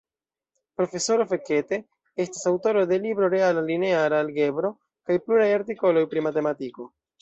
Profesoro Fekete estas aŭtoro de libro Reala Lineara Algebro kaj pluraj artikoloj pri matematiko.